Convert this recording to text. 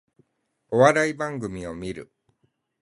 お笑い番組を観る